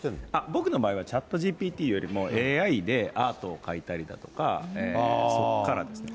僕の場合はＣｈａｔＧＰＴよりも、ＡＩでアートを描いたりだとか、そこからですね。